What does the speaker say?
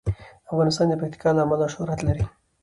افغانستان د پکتیکا له امله شهرت لري.